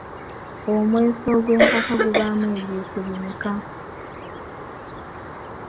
Omweso ogw’empaka gubaamu ebyeso bimeka?